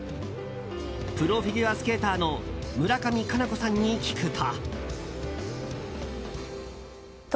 プロフィギュアスケーターの村上佳菜子さんに聞くと。